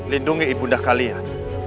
lindungi ibunda kalian